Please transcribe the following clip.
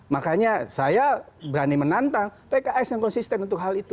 makanya saya berani menantang pks yang konsisten untuk hal itu